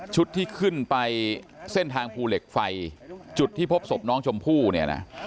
ที่ขึ้นไปเส้นทางภูเหล็กไฟจุดที่พบศพน้องชมพู่เนี่ยนะ